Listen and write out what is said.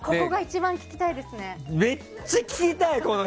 めっちゃ聞きたい、この人！